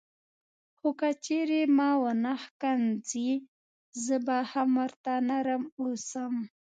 خو که چیرې ما ونه ښکنځي زه به هم ورته نرم اوسم.